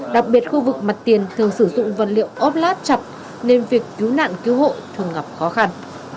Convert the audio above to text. đặc biệt khu vực mặt tiền thường sử dụng vật liệu ốp lát chặt nên việc cứu nạn cứu hộ thường gặp khó khăn